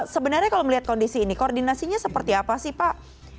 sebenarnya kalau melihat kondisi ini koordinasinya seperti apa sih pak